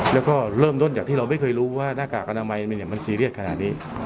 แล้วก็เริ่มต้นจากที่เราไม่เคยรู้ว่าหน้ากากอนามัยมันซีเรียสขนาดนี้